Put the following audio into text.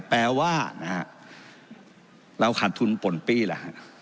แปลว่าเราขาดทุนป่นปีละ